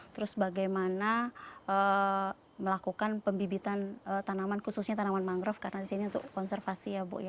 terus bagaimana melakukan pembibitan tanaman khususnya tanaman mangrove karena di sini untuk konservasi ya bu